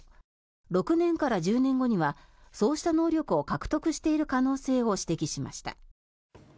６年から１０年後にはそうした能力を獲得している可能性を指摘しました。